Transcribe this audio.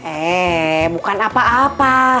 eh bukan apa apa